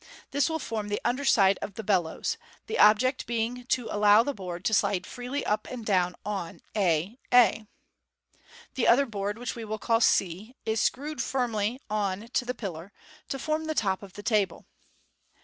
This will form the under side of the " bellows," the object be ing to allow the board to slide freely up and down on a a. The other board, which we will call c, is screwed firmly on to the pillar, to form the top of the table.